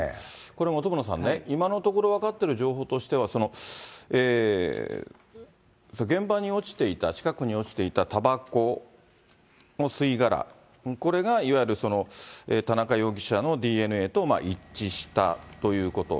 これ本村さんね、今のところ分かってる情報としては、現場に落ちていた、近くに落ちていたたばこの吸い殻、これがいわゆる田中容疑者のＤＮＡと一致したということ。